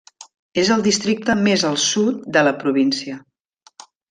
És el districte més als sud de la província.